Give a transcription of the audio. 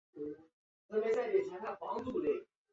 圣莱奥纳尔。